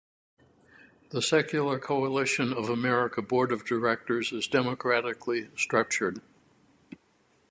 The Secular Coalition for America Board of Directors is democratically structured.